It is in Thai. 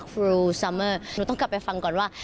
ครูซัมเมอร์หนูต้องกลับไปฟังก่อนว่า